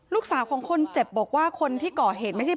ลูกสาวของคนเจ็บบอกว่าคนที่ก่อเหตุไม่ใช่